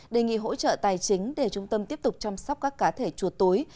đề nghị hỗ trợ tài chính để trung tâm tiếp tục chăm sóc các cá thể chuột túi